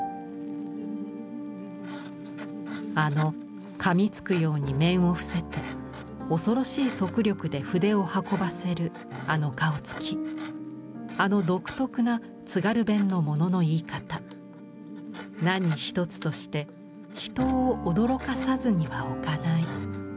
「あの噛みつくように面を伏せて、恐ろしい速力で筆を運ばせるあの顔つき、あの独特な津軽弁の物の言い方、何一つとして人を驚かさずにはおかない」。